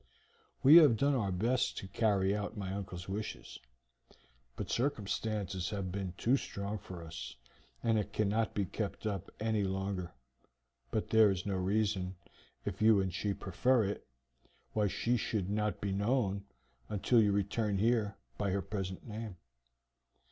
We have done our best to carry out my uncle's wishes, but circumstances have been too strong for us, and it cannot be kept up any longer; but there is no reason, if you and she prefer it, why she should not be known, until you return here, by her present name.